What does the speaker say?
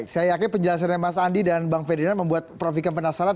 saya yakin penjelasannya mas andi dan bang ferdinand membuat prof ikam penasaran